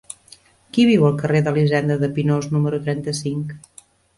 Qui viu al carrer d'Elisenda de Pinós número trenta-cinc?